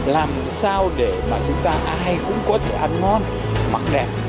làm sao để mà chúng ta ai cũng có thể ăn ngon mặc đẹp